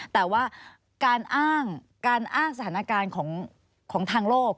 แต่ว่าการอ้างการอ้างสถานการณ์ของทางโลก